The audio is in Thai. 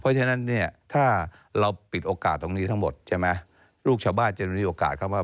เพราะฉะนั้นเนี่ยถ้าเราปิดโอกาสตรงนี้ทั้งหมดใช่ไหมลูกชาวบ้านจะมีโอกาสเข้ามา